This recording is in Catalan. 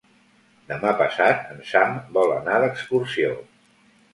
Demà passat en Sam vol anar d'excursió.